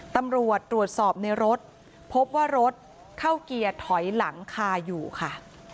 ตำรวจตรวจสอบในรถพบว่ารถเข้าเกียร์ถอยหลังคาอยู่ค่ะ